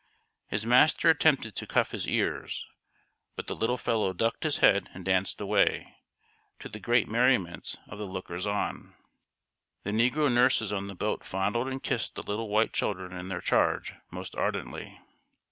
His master attempted to cuff his ears, but the little fellow ducked his head and danced away, to the great merriment of the lookers on. The negro nurses on the boat fondled and kissed the little white children in their charge most ardently.